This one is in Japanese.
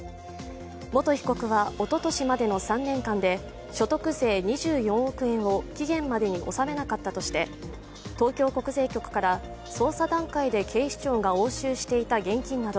元被告はおととしまでの３年間で所得税２４億円を期限までに納めなかったとして東京国税局から捜査段階で警視庁が押収していた現金など